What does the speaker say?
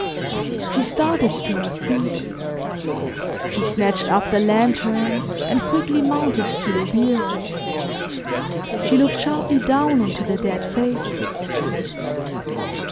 She started to her feet. She snatched up the lantern and quickly mounted to the bier. She looked sharply down into the dead face.